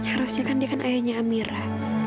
harusnya kan dia kan ayahnya amira